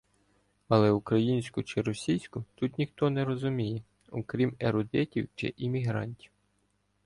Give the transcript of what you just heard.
Але українську чи російську тут ніхто не розуміє, окрім ерудитів чи іммігрантів